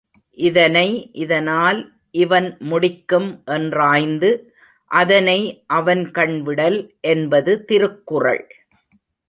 இதனை இதனால் இவன்முடிக்கும் என்றாய்ந்து அதனை அவன்கண் விடல் என்பது திருக்குறள்.